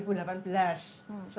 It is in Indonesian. compaan dan komunikasi